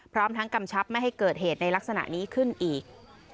พร้อมทั้งกำชับไม่ให้เกิดเหตุในลักษณะนี้ขึ้นอีก